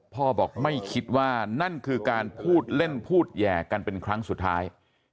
พ่อบอกไม่คิดว่านั่นคือการพูดเล่นพูดแห่กันเป็นครั้งสุดท้าย